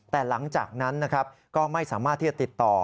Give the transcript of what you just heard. แต่หลังจากนั้นนะครับก็ไม่สามารถที่จะติดต่อ